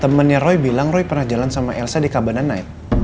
temennya roy bilang roy pernah jalan sama elsa di kabanan naik